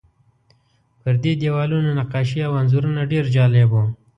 پر دې دیوالونو نقاشۍ او انځورونه ډېر جالب وو.